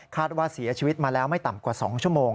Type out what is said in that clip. ว่าเสียชีวิตมาแล้วไม่ต่ำกว่า๒ชั่วโมง